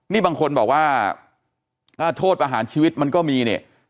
นี่บางคนบอกว่าถ้าโทษประหารชีวิตมันก็มีเนี่ย